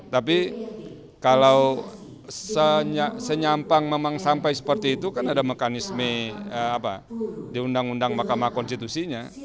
tapi kalau senyampang memang sampai seperti itu kan ada mekanisme di undang undang makamah konstitusinya